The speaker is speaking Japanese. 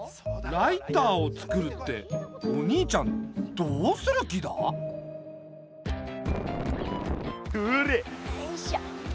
ライターをつくるってお兄ちゃんどうする気だ？ほら！よいしょ。